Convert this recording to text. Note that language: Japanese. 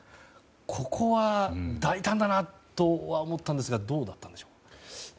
ここは大胆だなと思ったんですがどうだったんでしょうか。